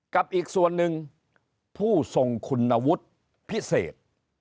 กับอีกส่วนหนึ่งผู้ทรงคุณวุฒิพิเศษ